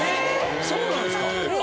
そうなんですか？